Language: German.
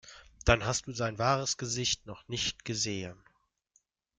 Dann hast du sein wahres Gesicht noch nicht gesehen.